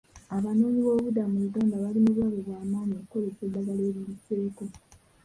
Abanoonyiboobubudamu mu Uganda bali mu bulabe bw'amaanyi okukozesa eddagala eriyiseeko.